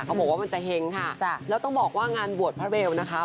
บอกว่ามันจะเห็งค่ะแล้วต้องบอกว่างานบวชพระเบลนะคะ